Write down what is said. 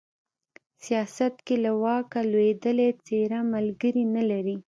سياست کې له واکه لوېدلې څېره ملگري نه لري